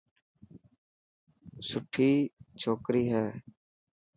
سٺوي ڇوڪري هي.